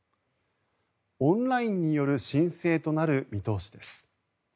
オンラインによる申請となる見通しです。